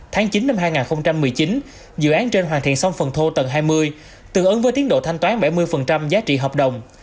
tháng chín năm hai nghìn một mươi chín dự án trên hoàn thiện xong phần thô tầng hai mươi tự ứng với tiến độ thanh toán bảy mươi giá trị hợp đồng